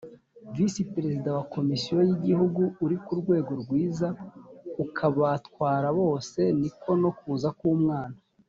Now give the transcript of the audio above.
visi perezida wa komisiyo y igihugu uri ku rwego rwizaukabatwara bose ni ko no kuza k umwana